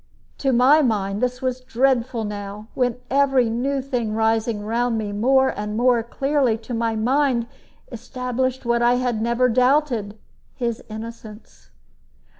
To my mind this was dreadful now, when every new thing rising round me more and more clearly to my mind established what I never had doubted his innocence.